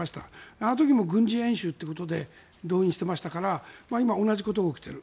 あの時も軍事演習ということで動員してましたから今、同じことが起きている。